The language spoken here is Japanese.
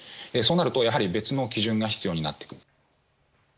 そうなると別の基準が必要になってくる。